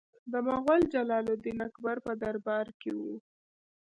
د مغول جلال الدین اکبر په دربار کې و.